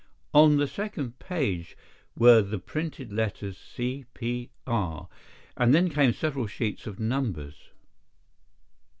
On the second page were the printed letters "C.P.R.," and then came several sheets of numbers.